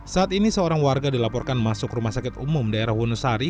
saat ini seorang warga dilaporkan masuk rumah sakit umum daerah wonosari